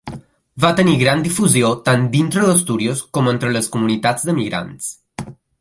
Va tenir gran difusió tant dintre d'Astúries com entre les comunitats d'emigrants.